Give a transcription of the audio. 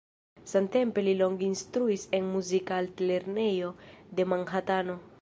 Samtempe li longe instruis en muzika altlernejo de Manhatano.